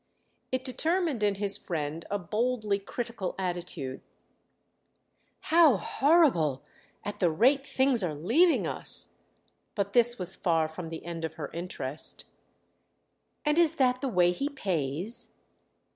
It determined in his friend a boldly critical attitude. "How horrible—at the rate things are leaving us!" But this was far from the end of her interest. "And is that the way he pays?"